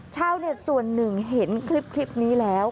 ชาวเน็ตส่วนหนึ่งเห็นคลิปนี้แล้ว